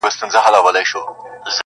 له آمو تر اباسینه وطن بولي!